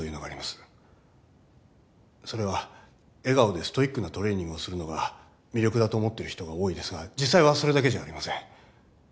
それは笑顔でストイックなトレーニングをするのが魅力だと思っている人が多いですが実際はそれだけじゃありません。